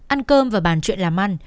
ăn cơm và bàn chuyện làm ăn